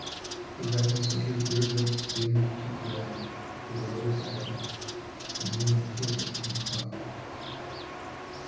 " The redness of your dear lips dimmed to grey, The waters ebbed, the moon hid in a cloud.